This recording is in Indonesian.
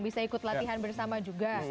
bisa ikut latihan bersama juga